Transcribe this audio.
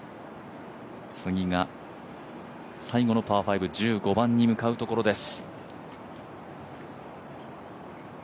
次が最後のパー５、１５番に向かうところです。